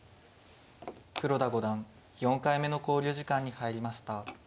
黒田五段４回目の考慮時間に入りました。